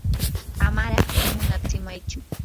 amaraq munatsimaychu.